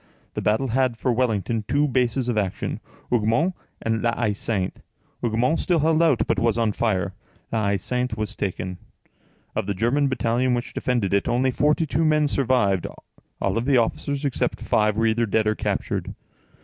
The battle had, for Wellington, two bases of action, Hougomont and La Haie Sainte; Hougomont still held out, but was on fire; La Haie Sainte was taken. Of the German battalion which defended it, only forty two men survived; all the officers, except five, were either dead or captured.